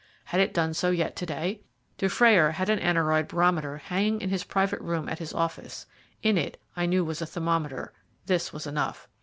Had it done so yet to day? Dufrayer had an aneroid barometer hanging in his private room at his office. In it I knew was a thermometer. This was enough.